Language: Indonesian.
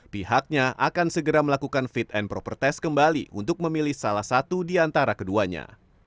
pihaknya akan segera melakukan fit and proper test kembali untuk memilih salah satu di antara keduanya